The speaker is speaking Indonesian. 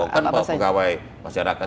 terasa dong kan pegawai masyarakat